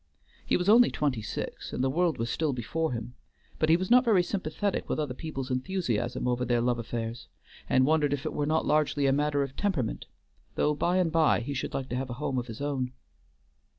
He was only twenty six, and the world was still before him, but he was not very sympathetic with other people's enthusiasm over their love affairs, and wondered if it were not largely a matter of temperament, though by and by he should like to have a home of his own.